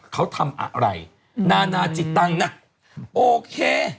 เขาทำอะไรนานาจิตตังค์นะโอเค